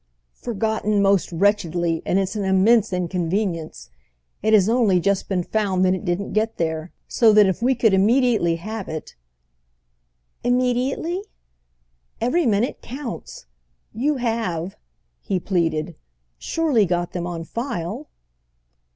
"Forgotten most wretchedly, and it's an immense inconvenience. It has only just been found that it didn't get there; so that if we could immediately have it—" "Immediately?" "Every minute counts. You have," he pleaded, "surely got them on file?"